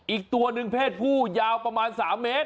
อีกตัวหนึ่งเพศผู้ยาวประมาณ๓เมตร